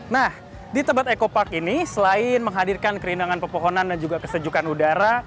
nah di tebet eco park ini selain menghadirkan kerindangan pepohonan dan juga kesejukan udara